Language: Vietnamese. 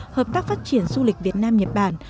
hợp tác phát triển du lịch việt nam nhật bản